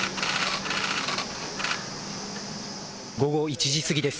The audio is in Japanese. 午後１時過ぎです。